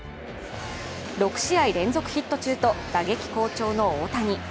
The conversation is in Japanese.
６試合連続ヒット中の打撃好調の大谷。